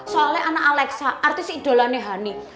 soalnya anak alexa artis idolannya hani